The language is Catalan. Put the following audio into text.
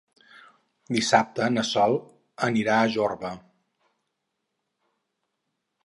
Dissabte na Sol anirà a Jorba.